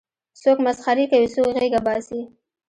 څوک مسخرې کوي څوک غېږه باسي.